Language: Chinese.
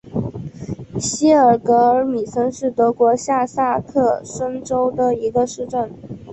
希尔格尔米森是德国下萨克森州的一个市镇。